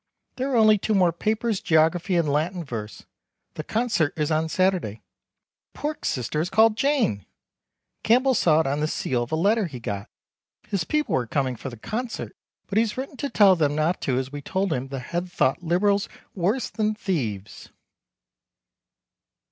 There are only two more papers geography and Latin verse. The Consert is on Saturday. Pork's sister is called Jane!! Campbell saw it on the seel of a letter he got. His people were coming for the Consert but he's written to tell them not to as we told him the Head thought liberals worse than thieves.